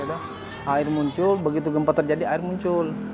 air muncul begitu gempa terjadi air muncul